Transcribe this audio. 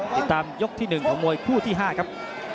ติดตามยกที่๑ของมวยคู่ที่๕ครับ